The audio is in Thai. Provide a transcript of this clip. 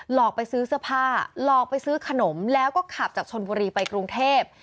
อกไปซื้อเสื้อผ้าหลอกไปซื้อขนมแล้วก็ขับจากชนบุรีไปกรุงเทพ